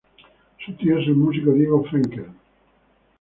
Su tío es el músico Diego Frenkel.